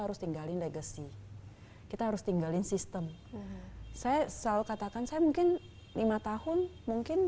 harus tinggalin legacy kita harus tinggalin sistem saya selalu katakan saya mungkin lima tahun mungkin